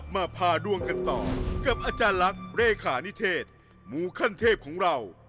มาพาดวงกันต่อกับอาจารย์ลักษณ์เลขานิเทศมูขั้นเทพของเรา